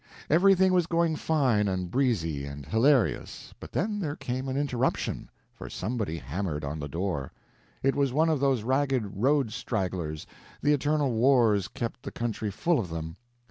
Everything was going fine and breezy and hilarious, but then there came an interruption, for somebody hammered on the door. It was one of those ragged road stragglers—the eternal wars kept the country full of them.